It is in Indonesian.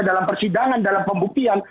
dalam persidangan dalam pembuktian